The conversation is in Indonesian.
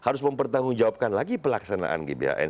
harus mempertanggungjawabkan lagi pelaksanaan gbhn